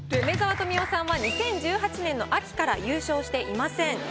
梅沢富美男さんは２０１８年の秋から優勝していません。